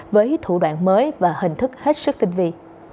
với thủ đoạn mới và hình thức hết sức tinh vi